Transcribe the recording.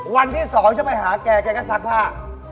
วันที่๒จะไปหาแกแกก็ซักผ้า